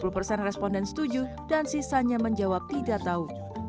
lima puluh persen responden setuju dan sisanya menjawab tidak tahu